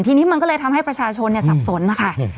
ทีนี้มันก็เลยทำให้ประชาชนสับสนนะคะ